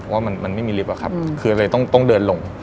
ว่ามันไม่มีลิฟต์อะครับคือเลยต้องเดินลง